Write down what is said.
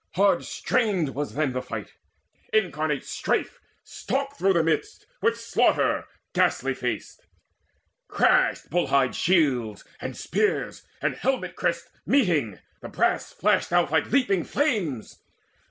Hard strained was then the fight: incarnate Strife Stalked through the midst, with Slaughter ghastly faced. Crashed bull hide shields, and spears, and helmet crests Meeting: the brass flashed out like leaping flames.